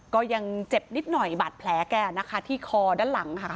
ก็ยังเจ็บนิดหน่อยบาดแผลแกนะคะที่คอด้านหลังค่ะ